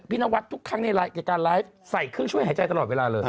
นวัดทุกครั้งในการไลฟ์ใส่เครื่องช่วยหายใจตลอดเวลาเลย